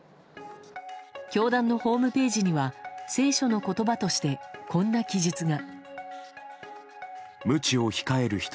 教団のホームページには聖書の言葉として、こんな記述が。